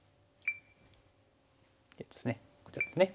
こちらですね。